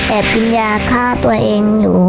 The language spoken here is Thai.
กินยาฆ่าตัวเองอยู่